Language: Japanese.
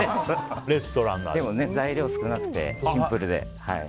でも材料が少なくてシンプルで。